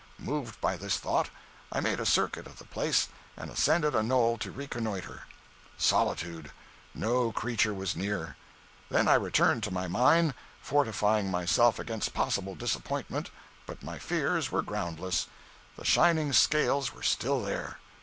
Moved by this thought, I made a circuit of the place, and ascended a knoll to reconnoiter. Solitude. No creature was near. Then I returned to my mine, fortifying myself against possible disappointment, but my fears were groundless—the shining scales were still there.